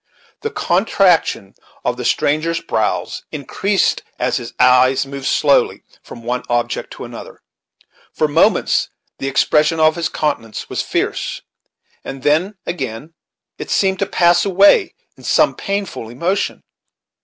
The contraction of the stranger's brows in creased as his eyes moved slowly from one object to another. For moments the expression of his countenance was fierce, and then again it seemed to pass away in some painful emotion.